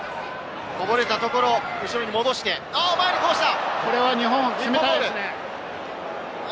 こぼれたところ、後ろに戻して、前にこぼした。